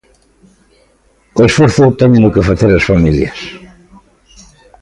O esforzo téñeno que facer as familias.